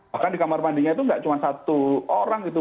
bahkan di kamar mandinya itu nggak cuma satu orang gitu